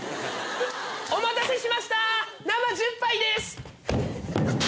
お待たせしました生１０杯です。